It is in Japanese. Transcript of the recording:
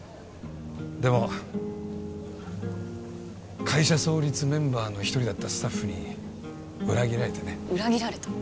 でも会社創立メンバーの一人だったスタッフに裏切られてね裏切られた？